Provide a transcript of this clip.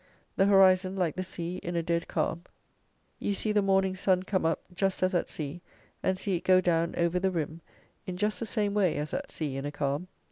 The horizon like the sea in a dead calm: you see the morning sun come up, just as at sea; and see it go down over the rim, in just the same way as at sea in a calm.